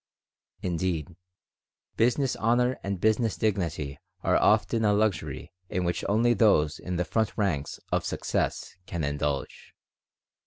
Indeed, business honor and business dignity are often a luxury in which only those in the front ranks of success can indulge.